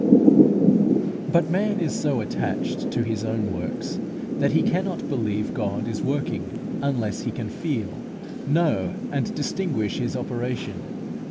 But man is so attached to his own works, that he cannot believe God is working, unless he can feel, know, and distinguish His operation.